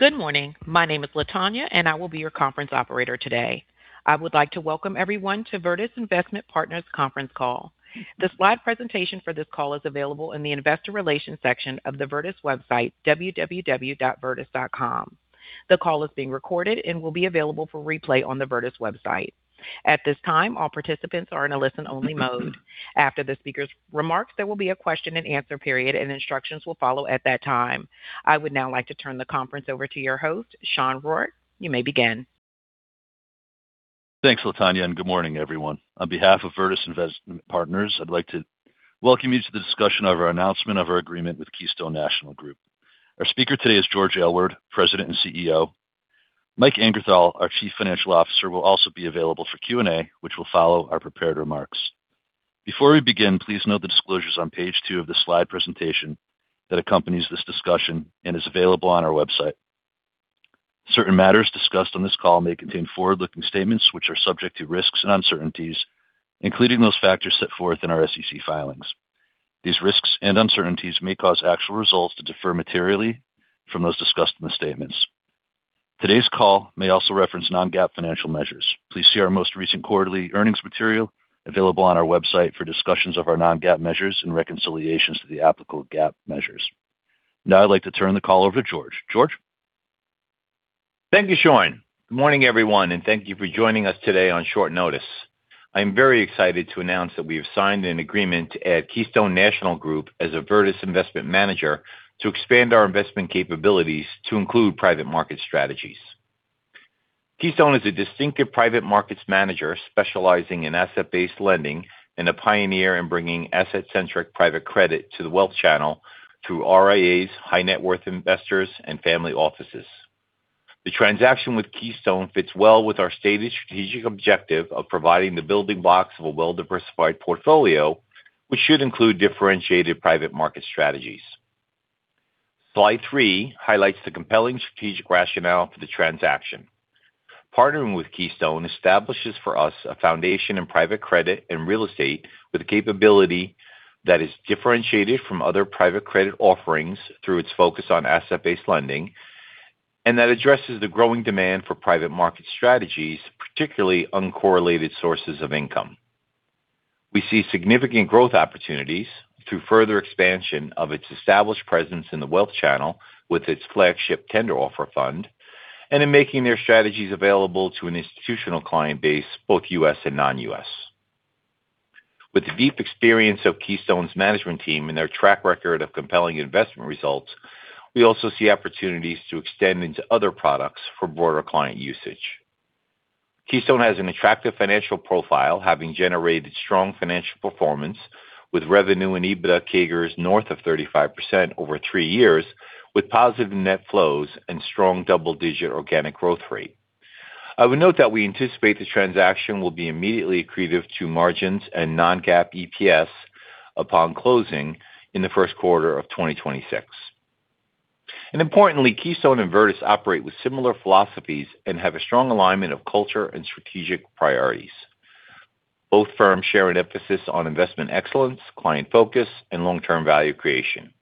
Good morning. My name is Latonya, and I will be your conference operator today. I would like to welcome everyone to Virtus Investment Partners' conference call. The slide presentation for this call is available in the investor relations section of the Virtus website, www.virtus.com. The call is being recorded and will be available for replay on the Virtus website. At this time, all participants are in a listen-only mode. After the speaker's remarks, there will be a question-and-answer period, and instructions will follow at that time. I would now like to turn the conference over to your host, Sean Rourke. You may begin. Thanks, Latonya, and good morning, everyone. On behalf of Virtus Investment Partners, I'd like to welcome you to the discussion of our announcement of our agreement with Keystone National Group. Our speaker today is George Aylward, President and CEO. Mike Angerthal, our Chief Financial Officer, will also be available for Q&A, which will follow our prepared remarks. Before we begin, please note the disclosures on page two of the slide presentation that accompanies this discussion and is available on our website. Certain matters discussed on this call may contain forward-looking statements which are subject to risks and uncertainties, including those factors set forth in our SEC filings. These risks and uncertainties may cause actual results to differ materially from those discussed in the statements. Today's call may also reference non-GAAP financial measures. Please see our most recent quarterly earnings material available on our website for discussions of our non-GAAP measures and reconciliations to the applicable GAAP measures. Now, I'd like to turn the call over to George. George? Thank you, Sean. Good morning, everyone, and thank you for joining us today on short notice. I am very excited to announce that we have signed an agreement to add Keystone National Group as a Virtus Investment Manager to expand our investment capabilities to include private market strategies. Keystone is a distinctive private markets manager specializing in asset-based lending and a pioneer in bringing asset-centric private credit to the wealth channel through RIAs, high-net-worth investors, and family offices. The transaction with Keystone fits well with our stated strategic objective of providing the building blocks of a well-diversified portfolio, which should include differentiated private market strategies. Slide three highlights the compelling strategic rationale for the transaction. Partnering with Keystone establishes for us a foundation in private credit and real estate with a capability that is differentiated from other private credit offerings through its focus on asset-based lending and that addresses the growing demand for private market strategies, particularly uncorrelated sources of income. We see significant growth opportunities through further expansion of its established presence in the wealth channel with its flagship tender offer fund and in making their strategies available to an institutional client base, both U.S. and non-U.S. With the deep experience of Keystone's management team and their track record of compelling investment results, we also see opportunities to extend into other products for broader client usage. Keystone has an attractive financial profile, having generated strong financial performance with revenue and EBITDA CAGR north of 35% over three years, with positive net flows and strong double-digit organic growth rate. I would note that we anticipate the transaction will be immediately accretive to margins and non-GAAP EPS upon closing in the first quarter of 2026. And importantly, Keystone and Virtus operate with similar philosophies and have a strong alignment of culture and strategic priorities. Both firms share an emphasis on investment excellence, client focus, and long-term value creation.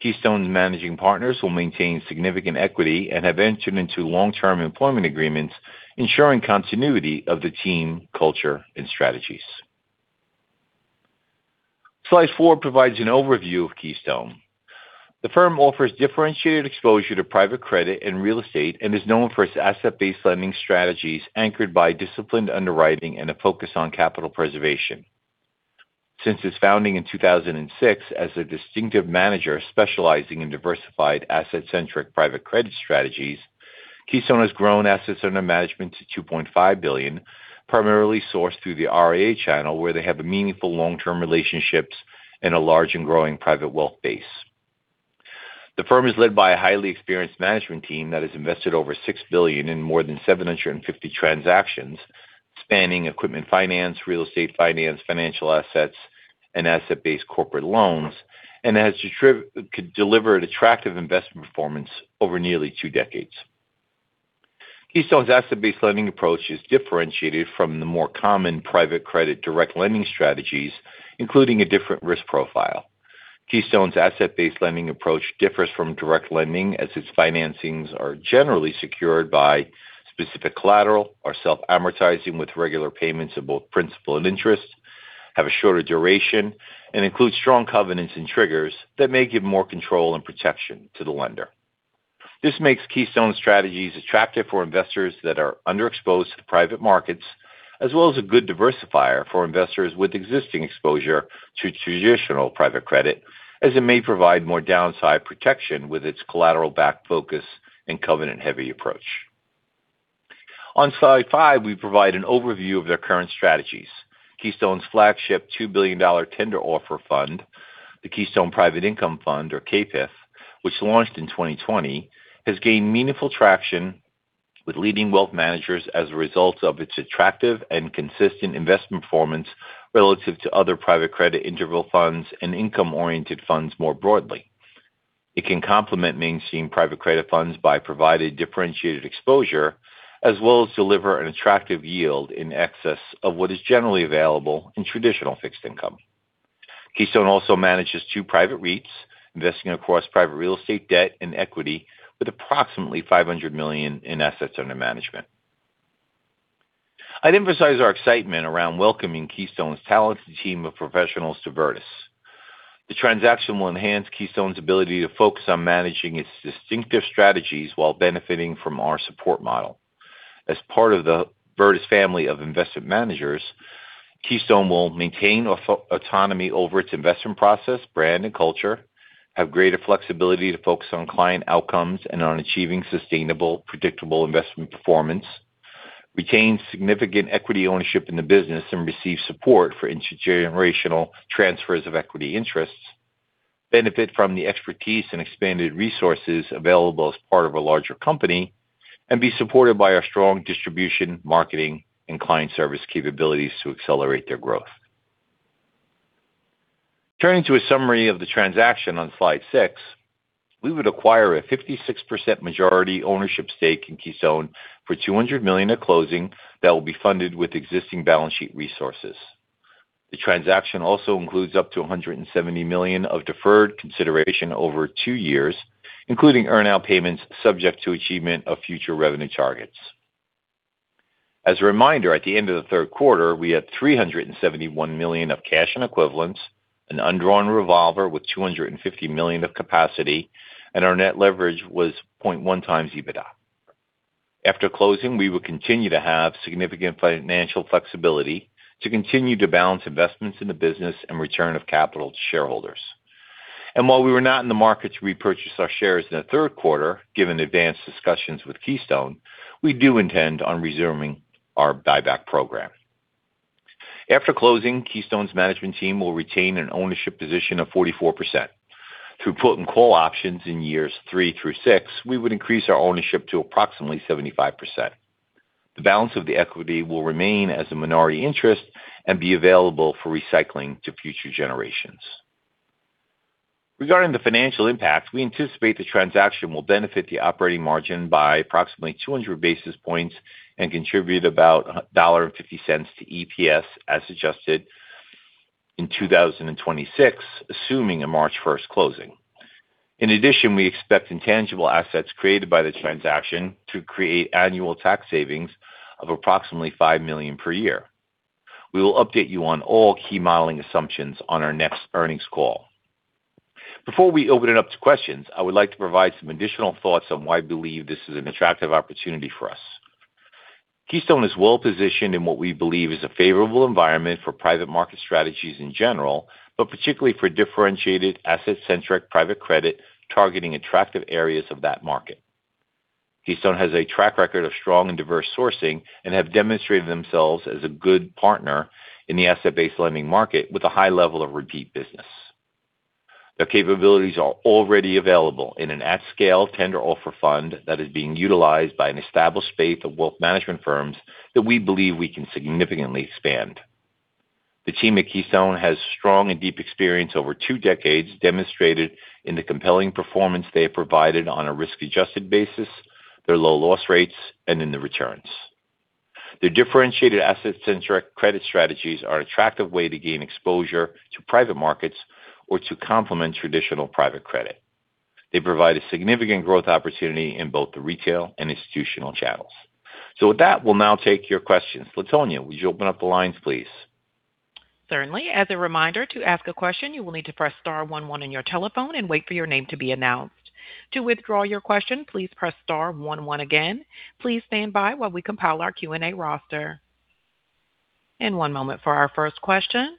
Keystone's managing partners will maintain significant equity and have entered into long-term employment agreements, ensuring continuity of the team culture and strategies. Slide four provides an overview of Keystone. The firm offers differentiated exposure to private credit and real estate and is known for its asset-based lending strategies anchored by disciplined underwriting and a focus on capital preservation. Since its founding in 2006 as a distinctive manager specializing in diversified asset-centric private credit strategies, Keystone has grown assets under management to $2.5 billion, primarily sourced through the RIA channel, where they have meaningful long-term relationships and a large and growing private wealth base. The firm is led by a highly experienced management team that has invested over $6 billion in more than 750 transactions spanning equipment finance, real estate finance, financial assets, and asset-based corporate loans, and has delivered attractive investment performance over nearly two decades. Keystone's asset-based lending approach is differentiated from the more common private credit direct lending strategies, including a different risk profile. Keystone's asset-based lending approach differs from direct lending as its financings are generally secured by specific collateral or self-amortizing with regular payments of both principal and interest, have a shorter duration, and include strong covenants and triggers that may give more control and protection to the lender. This makes Keystone's strategies attractive for investors that are underexposed to private markets, as well as a good diversifier for investors with existing exposure to traditional private credit, as it may provide more downside protection with its collateral-backed focus and covenant-heavy approach. On slide five, we provide an overview of their current strategies. Keystone's flagship $2 billion tender offer fund, the Keystone Private Income Fund, or KPIF, which launched in 2020, has gained meaningful traction with leading wealth managers as a result of its attractive and consistent investment performance relative to other private credit interval funds and income-oriented funds more broadly. It can complement mainstream private credit funds by providing differentiated exposure, as well as deliver an attractive yield in excess of what is generally available in traditional fixed income. Keystone also manages two private REITs, investing across private real estate debt and equity with approximately $500 million in assets under management. I'd emphasize our excitement around welcoming Keystone's talented team of professionals to Virtus. The transaction will enhance Keystone's ability to focus on managing its distinctive strategies while benefiting from our support model. As part of the Virtus family of investment managers, Keystone will maintain autonomy over its investment process, brand, and culture, have greater flexibility to focus on client outcomes and on achieving sustainable, predictable investment performance, retain significant equity ownership in the business and receive support for intergenerational transfers of equity interests, benefit from the expertise and expanded resources available as part of a larger company, and be supported by our strong distribution, marketing, and client service capabilities to accelerate their growth. Turning to a summary of the transaction on slide six, we would acquire a 56% majority ownership stake in Keystone for $200 million at closing that will be funded with existing balance sheet resources. The transaction also includes up to $170 million of deferred consideration over two years, including earn-out payments subject to achievement of future revenue targets. As a reminder, at the end of the third quarter, we had $371 million of cash and equivalents, an undrawn revolver with $250 million of capacity, and our net leverage was 0.1x EBITDA. After closing, we would continue to have significant financial flexibility to continue to balance investments in the business and return of capital to shareholders. And while we were not in the market to repurchase our shares in the third quarter, given advanced discussions with Keystone, we do intend on resuming our buyback program. After closing, Keystone's management team will retain an ownership position of 44%. Through put and call options in years three through six, we would increase our ownership to approximately 75%. The balance of the equity will remain as a minority interest and be available for recycling to future generations. Regarding the financial impact, we anticipate the transaction will benefit the operating margin by approximately 200 basis points and contribute about $1.50 to EPS as adjusted in 2026, assuming a March 1st closing. In addition, we expect intangible assets created by the transaction to create annual tax savings of approximately $5 million per year. We will update you on all key modeling assumptions on our next earnings call. Before we open it up to questions, I would like to provide some additional thoughts on why I believe this is an attractive opportunity for us. Keystone is well positioned in what we believe is a favorable environment for private market strategies in general, but particularly for differentiated asset-centric private credit targeting attractive areas of that market. Keystone has a track record of strong and diverse sourcing and have demonstrated themselves as a good partner in the asset-based lending market with a high level of repeat business. Their capabilities are already available in an at-scale tender offer fund that is being utilized by an established space of wealth management firms that we believe we can significantly expand. The team at Keystone has strong and deep experience over two decades, demonstrated in the compelling performance they have provided on a risk-adjusted basis, their low loss rates, and in the returns. Their differentiated asset-centric credit strategies are an attractive way to gain exposure to private markets or to complement traditional private credit. They provide a significant growth opportunity in both the retail and institutional channels. So with that, we'll now take your questions. Latonya, would you open up the lines, please? Certainly. As a reminder to ask a question, you will need to press star one one on your telephone and wait for your name to be announced. To withdraw your question, please press star one one again. Please stand by while we compile our Q&A roster, and one moment for our first question.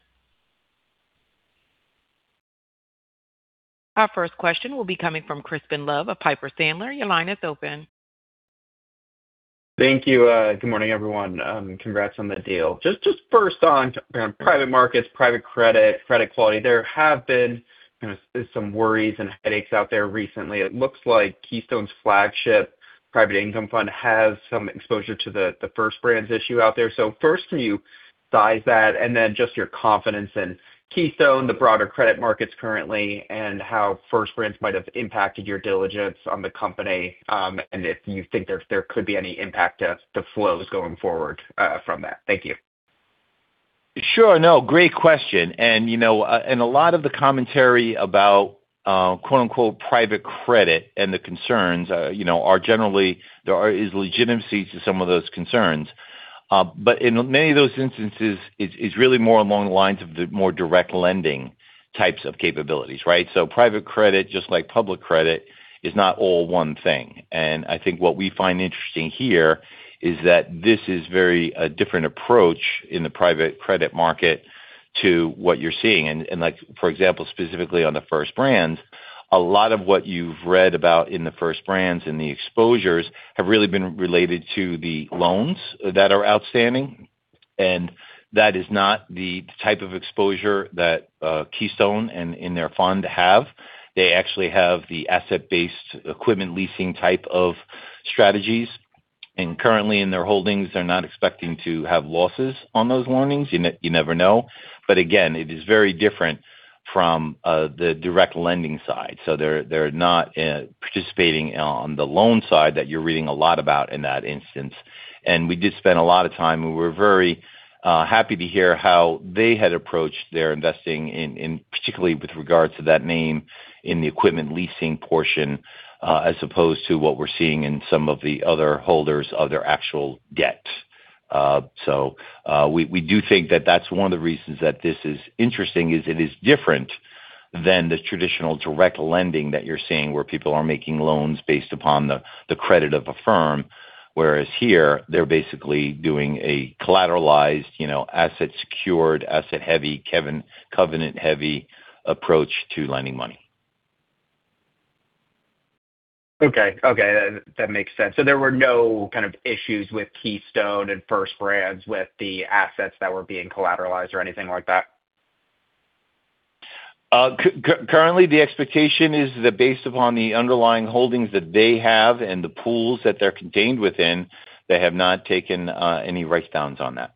Our first question will be coming from Crispin Love of Piper Sandler. Your line is open. Thank you. Good morning, everyone. Congrats on the deal. Just first on private markets, private credit, credit quality, there have been some worries and headaches out there recently. It looks like Keystone's flagship private income fund has some exposure to the First Brands issue out there. So first, can you size that and then just your confidence in Keystone, the broader credit markets currently, and how First Brands might have impacted your diligence on the company and if you think there could be any impact to the flows going forward from that? Thank you. Sure. No, great question. And a lot of the commentary about "private credit" and the concerns are generally there is legitimacy to some of those concerns. But in many of those instances, it's really more along the lines of the more direct lending types of capabilities, right? So private credit, just like public credit, is not all one thing. And I think what we find interesting here is that this is a very different approach in the private credit market to what you're seeing. And for example, specifically on the First Brands, a lot of what you've read about in the First Brands and the exposures have really been related to the loans that are outstanding. And that is not the type of exposure that Keystone and their fund have. They actually have the asset-based equipment leasing type of strategies. Currently, in their holdings, they're not expecting to have losses on those loans. You never know. Again, it is very different from the direct lending side. They're not participating on the loan side that you're reading a lot about in that instance. We did spend a lot of time, and we were very happy to hear how they had approached their investing, particularly with regards to that name in the equipment leasing portion, as opposed to what we're seeing in some of the other holders of their actual debt. We do think that that's one of the reasons that this is interesting. It is different than the traditional direct lending that you're seeing where people are making loans based upon the credit of a firm, whereas here, they're basically doing a collateralized, asset-secured, asset-heavy, covenant-heavy approach to lending money. Okay. Okay. That makes sense. So there were no kind of issues with Keystone and First Brands with the assets that were being collateralized or anything like that? Currently, the expectation is that based upon the underlying holdings that they have and the pools that they're contained within, they have not taken any write-downs on that.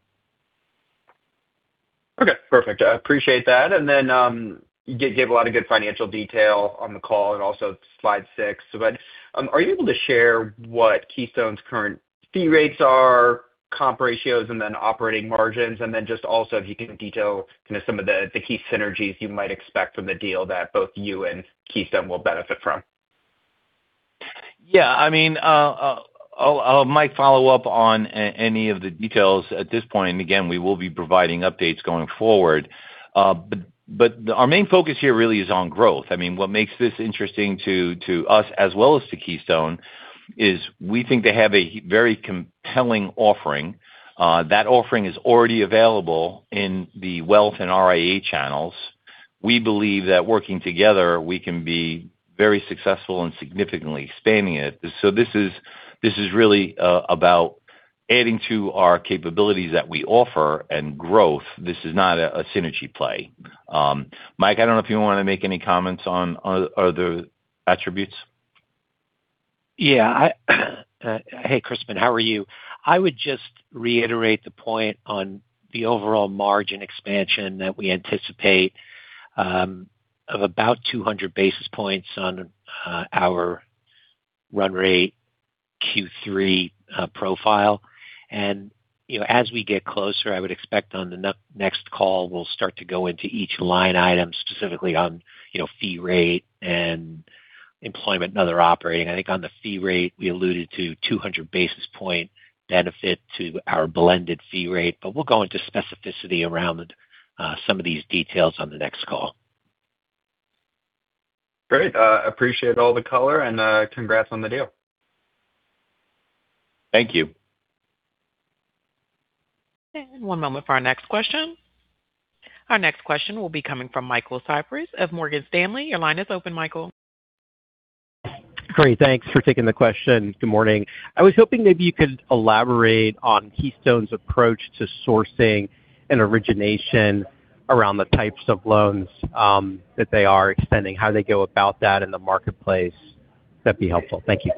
Okay. Perfect. I appreciate that. And then you gave a lot of good financial detail on the call and also slide six. But are you able to share what Keystone's current fee rates are, comp ratios, and then operating margins? And then just also, if you can detail some of the key synergies you might expect from the deal that both you and Keystone will benefit from? Yeah. I mean, I might follow up on any of the details at this point, and again, we will be providing updates going forward, but our main focus here really is on growth. I mean, what makes this interesting to us as well as to Keystone is we think they have a very compelling offering. That offering is already available in the wealth and RIA channels. We believe that working together, we can be very successful in significantly expanding it. So this is really about adding to our capabilities that we offer and growth. This is not a synergy play. Mike, I don't know if you want to make any comments on other attributes. Yeah. Hey, Crispin, how are you? I would just reiterate the point on the overall margin expansion that we anticipate of about 200 basis points on our run rate Q3 profile. And as we get closer, I would expect on the next call, we'll start to go into each line item specifically on fee rate and expense and other operating. I think on the fee rate, we alluded to 200 basis point benefit to our blended fee rate. But we'll go into specificity around some of these details on the next call. Great. Appreciate all the color. And congrats on the deal. Thank you. One moment for our next question. Our next question will be coming from Michael Cyprys of Morgan Stanley. Your line is open, Michael. Great. Thanks for taking the question. Good morning. I was hoping maybe you could elaborate on Keystone's approach to sourcing and origination around the types of loans that they are extending, how they go about that in the marketplace. That'd be helpful. Thank you.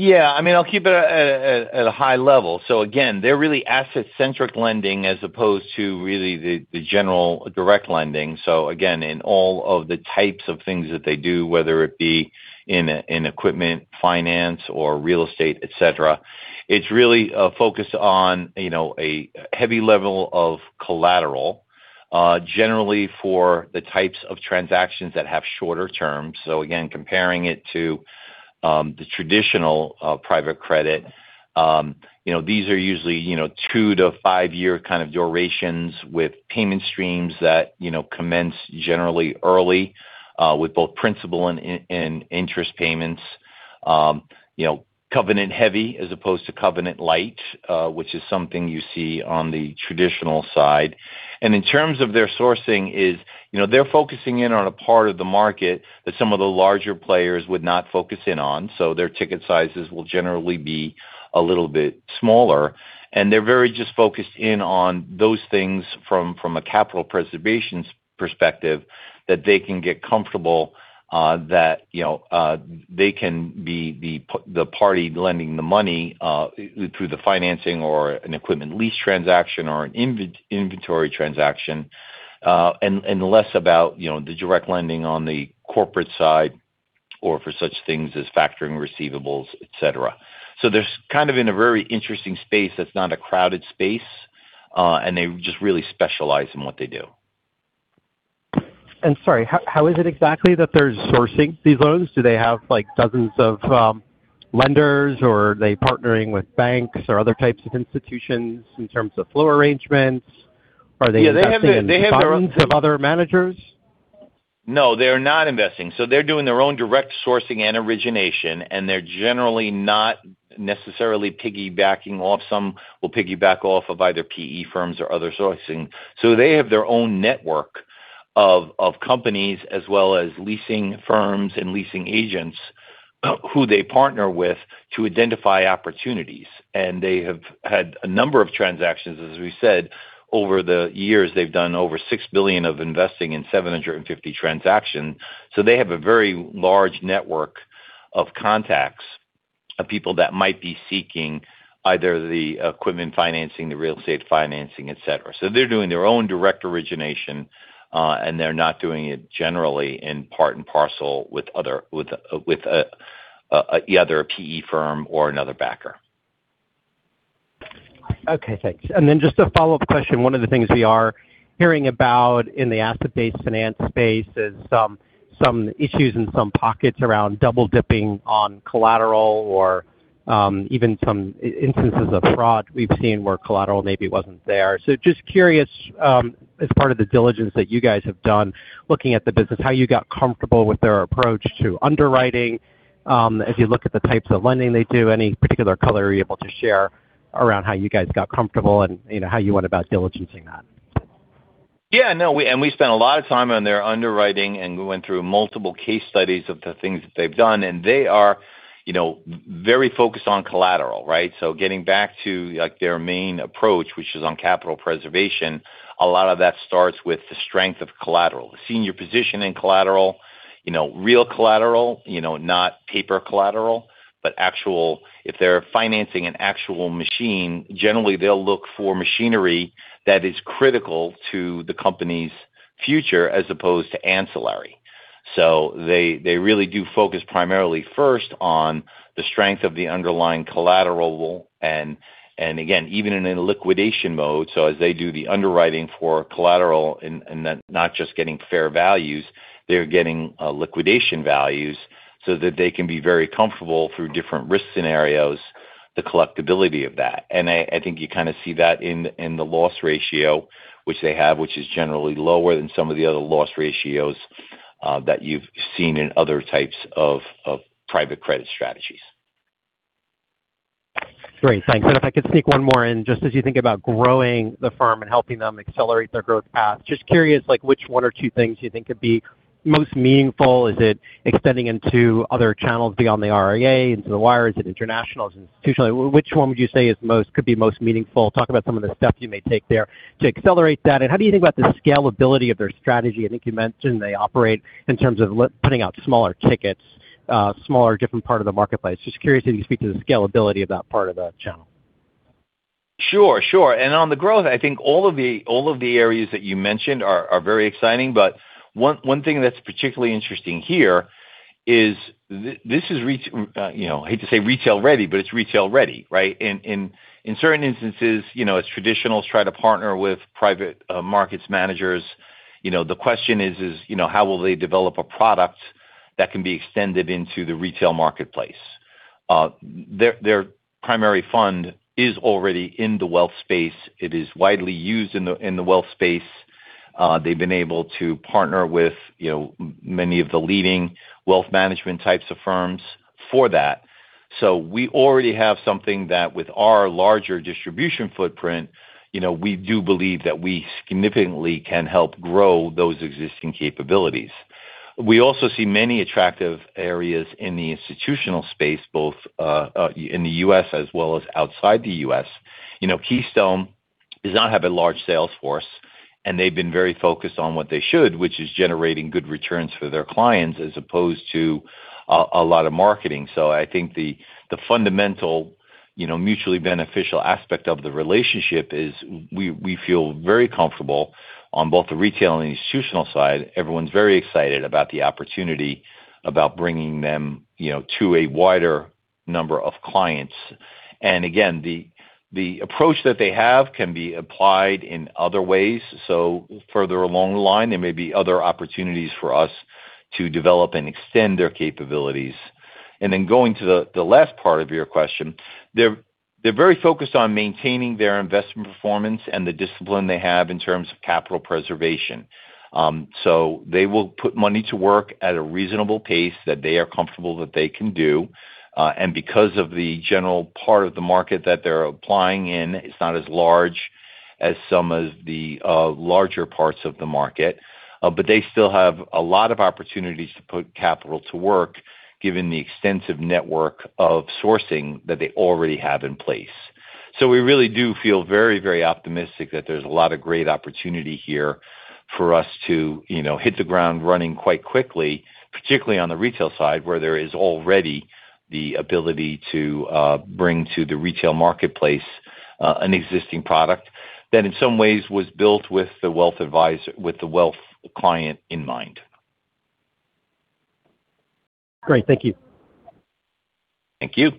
Yeah. I mean, I'll keep it at a high level. So again, they're really asset-based lending as opposed to really the general direct lending. So again, in all of the types of things that they do, whether it be in equipment finance, or real estate, etc., it's really focused on a heavy level of collateral, generally for the types of transactions that have shorter terms. So again, comparing it to the traditional private credit, these are usually twoo to five-year kind of durations with payment streams that commence generally early with both principal and interest payments, covenant-heavy as opposed to covenant-lite, which is something you see on the traditional side. And in terms of their sourcing, they're focusing in on a part of the market that some of the larger players would not focus in on. So their ticket sizes will generally be a little bit smaller. And they're very, just focused in on those things from a capital preservation perspective that they can get comfortable that they can be the party lending the money through the financing or an equipment lease transaction or an inventory transaction, and less about the direct lending on the corporate side or for such things as factoring receivables, etc. So they're kind of in a very interesting space that's not a crowded space. And they just really specialize in what they do. Sorry, how is it exactly that they're sourcing these loans? Do they have dozens of lenders, or are they partnering with banks or other types of institutions in terms of flow arrangements? Are they investing in funds of other managers? No. They're not investing. So they're doing their own direct sourcing and origination, and they're generally not necessarily piggybacking off some will piggyback off of either PE firms or other sourcing. So they have their own network of companies as well as leasing firms and leasing agents who they partner with to identify opportunities. And they have had a number of transactions, as we said, over the years. They've done over $6 billion of investing in 750 transactions. So they have a very large network of contacts of people that might be seeking either the equipment financing, the real estate financing, etc. So they're doing their own direct origination, and they're not doing it generally in part and parcel with either a PE firm or another backer. Okay. Thanks. And then just a follow-up question. One of the things we are hearing about in the asset-based finance space is some issues in some pockets around double-dipping on collateral or even some instances of fraud we've seen where collateral maybe wasn't there. So just curious, as part of the diligence that you guys have done, looking at the business, how you got comfortable with their approach to underwriting as you look at the types of lending they do, any particular color you're able to share around how you guys got comfortable and how you went about diligencing that? Yeah. No. And we spent a lot of time on their underwriting, and we went through multiple case studies of the things that they've done. And they are very focused on collateral, right? So getting back to their main approach, which is on capital preservation, a lot of that starts with the strength of collateral, the senior position in collateral, real collateral, not paper collateral, but actual. If they're financing an actual machine, generally, they'll look for machinery that is critical to the company's future as opposed to ancillary. So they really do focus primarily first on the strength of the underlying collateral. And again, even in a liquidation mode, so as they do the underwriting for collateral and not just getting fair values, they're getting liquidation values so that they can be very comfortable through different risk scenarios, the collectibility of that. And I think you kind of see that in the loss ratio, which they have, which is generally lower than some of the other loss ratios that you've seen in other types of private credit strategies. Great. Thanks. And if I could sneak one more in, just as you think about growing the firm and helping them accelerate their growth path, just curious which one or two things you think could be most meaningful? Is it extending into other channels beyond the RIA, into the wire? Is it international? Is it institutional? Which one would you say could be most meaningful? Talk about some of the steps you may take there to accelerate that. And how do you think about the scalability of their strategy? I think you mentioned they operate in terms of putting out smaller tickets, smaller, different part of the marketplace. Just curious if you could speak to the scalability of that part of the channel. Sure. Sure. And on the growth, I think all of the areas that you mentioned are very exciting. But one thing that's particularly interesting here is this is I hate to say retail-ready, but it's retail-ready, right? In certain instances, as traditionals try to partner with private markets managers, the question is, how will they develop a product that can be extended into the retail marketplace? Their primary fund is already in the wealth space. It is widely used in the wealth space. They've been able to partner with many of the leading wealth management types of firms for that. So we already have something that, with our larger distribution footprint, we do believe that we significantly can help grow those existing capabilities. We also see many attractive areas in the institutional space, both in the U.S. as well as outside the U.S. Keystone does not have a large sales force, and they've been very focused on what they should, which is generating good returns for their clients as opposed to a lot of marketing. So I think the fundamental mutually beneficial aspect of the relationship is we feel very comfortable on both the retail and institutional side. Everyone's very excited about the opportunity about bringing them to a wider number of clients. And again, the approach that they have can be applied in other ways. So further along the line, there may be other opportunities for us to develop and extend their capabilities. And then going to the last part of your question, they're very focused on maintaining their investment performance and the discipline they have in terms of capital preservation. So they will put money to work at a reasonable pace that they are comfortable that they can do. And because of the general part of the market that they're applying in, it's not as large as some of the larger parts of the market. But they still have a lot of opportunities to put capital to work, given the extensive network of sourcing that they already have in place. So we really do feel very, very optimistic that there's a lot of great opportunity here for us to hit the ground running quite quickly, particularly on the retail side where there is already the ability to bring to the retail marketplace an existing product that in some ways was built with the wealth client in mind. Great. Thank you. Thank you.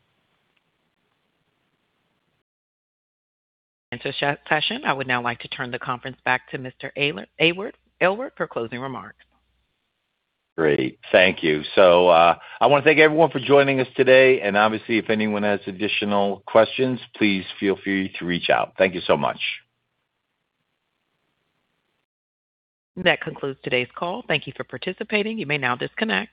And to that session, I would now like to turn the conference back to Mr. Aylward for closing remarks. Great. Thank you. So I want to thank everyone for joining us today. And obviously, if anyone has additional questions, please feel free to reach out. Thank you so much. That concludes today's call. Thank you for participating. You may now disconnect.